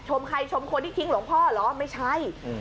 ใครชมคนที่ทิ้งหลวงพ่อเหรอไม่ใช่